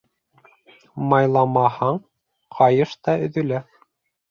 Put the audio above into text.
Майламаһаң, ҡайыш та өҙөлә.